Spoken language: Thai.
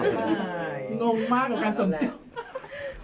งงมากกับการส่งจูบ